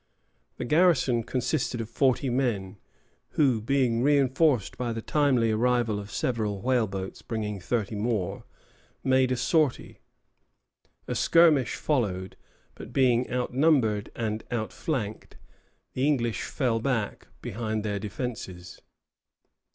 The garrison consisted of forty men, who, being reinforced by the timely arrival of several whale boats bringing thirty more, made a sortie. A skirmish followed; but being outnumbered and outflanked, the English fell back behind their defences.